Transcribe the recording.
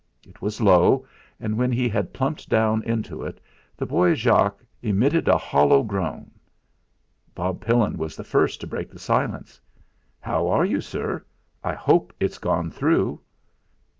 It was low, and when he had plumped down into it, the boy Jock emitted a hollow groan. Bob Pillin was the first to break the silence. "How are you, sir? I hope it's gone through."